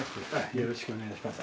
よろしくお願いします。